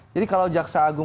jadi kalau jaksagong